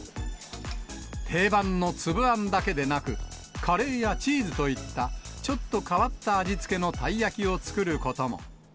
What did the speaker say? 定番の粒あんだけでなく、カレーやチーズといったちょっと変わった味付けのたい焼きを作ることも。